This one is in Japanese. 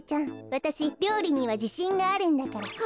わたしりょうりにはじしんがあるんだから。